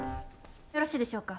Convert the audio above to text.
よろしいでしょうか。